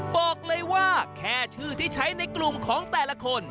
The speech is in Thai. บอกเลยว่าแค่ชื่อที่ใช้ในกลุ่มของแต่ละคน